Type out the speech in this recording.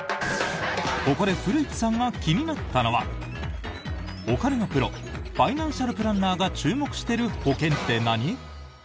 ここで古市さんが気になったのはお金のプロファイナンシャルプランナーが注目してる保険って何？